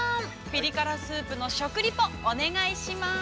ピリ辛スープの食リポ、お願いします。